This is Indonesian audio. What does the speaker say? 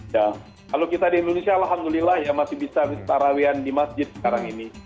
ya kalau kita di indonesia alhamdulillah ya masih bisa tarawihan di masjid sekarang ini